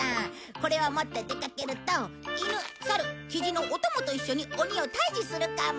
これを持って出かけるとイヌサルキジのお供と一緒に鬼を退治するかも。